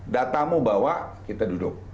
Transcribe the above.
datamu bawa kita duduk